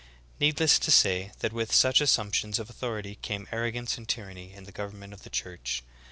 | Needless to say that with such assumptions of authority came arrogance and tyranny in the government of the Church.